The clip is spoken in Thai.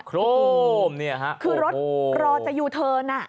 โอ้โหคือรถรอจะอยู่ทันวันอ้ะ